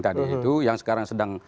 tadi itu yang sekarang sedang